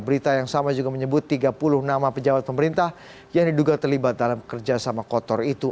berita yang sama juga menyebut tiga puluh nama pejabat pemerintah yang diduga terlibat dalam kerjasama kotor itu